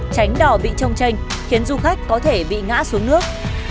tránh đò bị trông tranh khiến du khách có thể bị ngã xuống nước